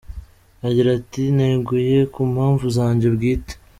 Agira ati “Neguye ku mpamvu zanje bwite.